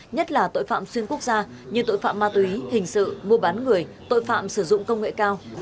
nhất là tội phạm xuyên quốc gia như tội phạm ma túy hình sự mua bán người tội phạm sử dụng công nghệ cao